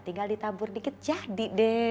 tinggal ditabur dikit jadi deh